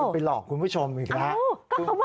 ไปหลอกคุณผู้ชมอีกแล้ว